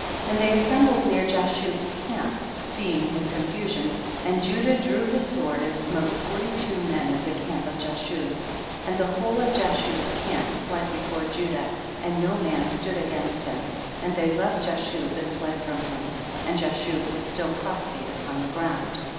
35. And they assembled near Ja shub's camp, seeing his confusion, and Judah drew his sword and smote forty two men of the camp of Jashub, and the whole of Jashub's camp fled before Judah, and no man stood against him, and they left Jashub and fled from him, and Jashub was still prostrate upon the ground.